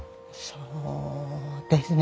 そうですね。